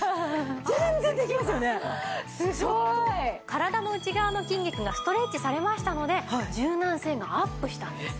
体の内側の筋肉がストレッチされましたので柔軟性がアップしたんです。